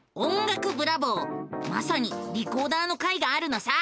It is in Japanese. まさにリコーダーの回があるのさ！